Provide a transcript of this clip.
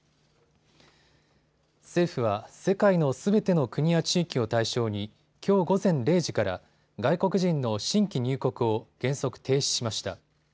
政府は世界のすべての国や地域を対象にきょう午前０時から外国人の新規入国を原則停止しました。